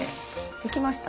できました。